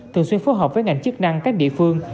thường xuyên phối hợp với ngành chức năng các địa phương